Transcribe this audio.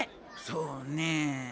そうね。